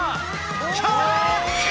キャッチ！！